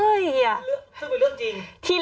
เอ้ยที่เป็นเรื่องจริง